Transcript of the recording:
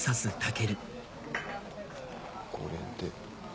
これで。